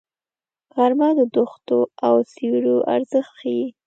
غرمه د دښتو او سیوریو ارزښت ښيي